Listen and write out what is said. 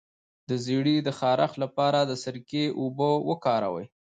د زیړي د خارښ لپاره د سرکې اوبه وکاروئ